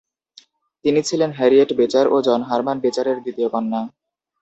তিনি ছিলেন Harriet Beecher ও জন হারমান বেচারের দ্বিতীয় কন্যা।